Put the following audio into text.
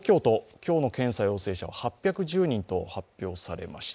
今日の検査陽性者は８１０人と発表されました。